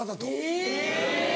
えぇ！